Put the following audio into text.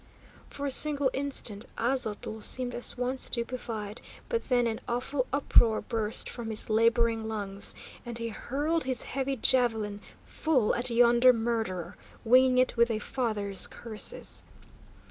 For a single instant Aztotl seemed as one stupefied, but then an awful uproar burst from his labouring lungs, and he hurled his heavy javelin full at yonder murderer, winging it with a father's curses.